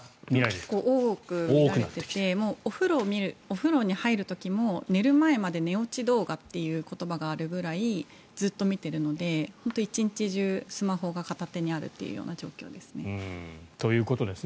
結構多く見られていてお風呂に入る時も寝る前まで、寝落ち動画という言葉があるくらいずっと見ているので本当に１日中スマホが片手にあるという状況ですね。ということです